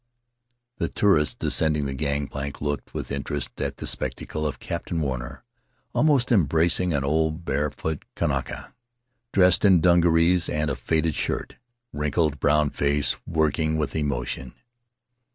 9 The tourists descending the gangplank looked with interest at the spectacle of Captain Warner, almost embracing an old barefoot kanaka, dressed in dun garees and a faded shirt, wrinkled brown face working with emotion.